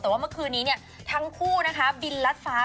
แต่ว่าเมื่อคืนนี้เนี่ยทั้งคู่นะครับบิลลัดฟ้า